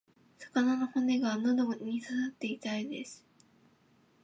魚の骨が喉に刺さって痛いです。